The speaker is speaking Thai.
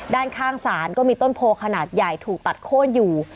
ด้านข้างศาลก็มีต้นโพขนาดใหญ่ถูกตัดโค้นอยู่